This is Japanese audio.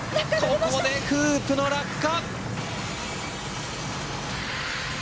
ここでフープの落下！